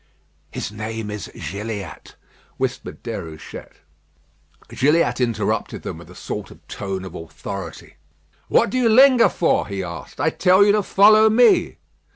"His name is Gilliatt," whispered Déruchette. Gilliatt interrupted them with a sort of tone of authority. "What do you linger for?" he asked. "I tell you to follow me."